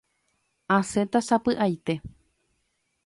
Asẽta sapy'aite.